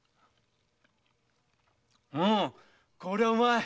うんこりゃうまい！